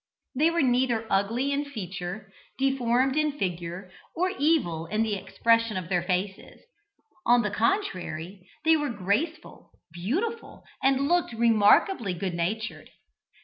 They were neither ugly in feature, deformed in figure, or evil in the expression of their faces. On the contrary they were graceful, beautiful, and looked remarkably good natured.